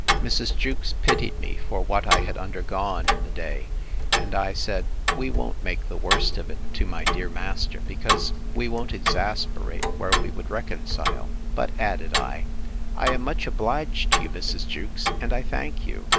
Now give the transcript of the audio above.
Mrs. Jewkes pitied me for what I had undergone in the day; and I said, We won't make the worst of it to my dear master, because we won't exasperate where we would reconcile: but, added I, I am much obliged to you, Mrs. Jewkes, and I thank you.